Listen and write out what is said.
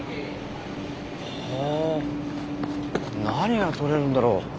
何がとれるんだろう？